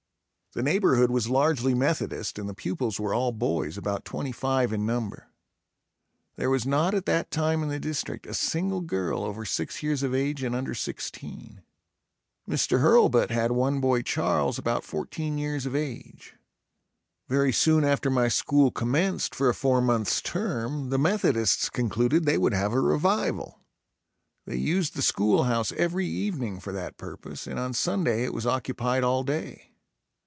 The neighborhood was largely Methodist and the pupils were all boys, about twenty five in number. There was not at that time in the district a single girl over six years of age and under sixteen. Mr. Hurlbut had one boy Charles about fourteen years of age. Very soon after my school commenced for a four months term the Methodists concluded they would have a revival. They used the school house every evening for that purpose and on Sunday it was occupied all day.